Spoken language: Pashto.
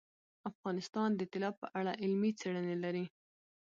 افغانستان د طلا په اړه علمي څېړنې لري.